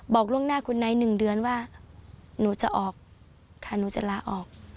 บอกล่วงหน้าคุณไนท์๑เดือนว่าหนูจะออกค่ะหนูจะลาออก